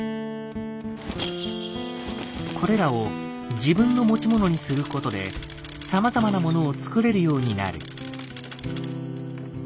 これらを自分の持ち物にすることでさまざまなものを作れるようになる。